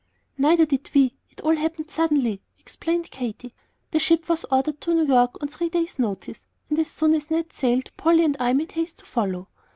"Neither did we; it all happened suddenly," explained Katy. "The ship was ordered to New York on three days' notice, and as soon as Ned sailed, Polly and I made haste to follow.